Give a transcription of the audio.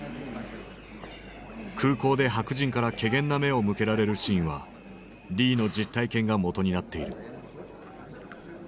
空港で白人から怪訝な目を向けられるシーンはリーの実体験が元になっている。